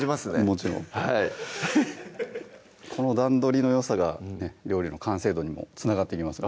もちろんこの段取りのよさがね料理の完成度にもつながってきます